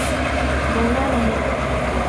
‘ ورنہ نہیں۔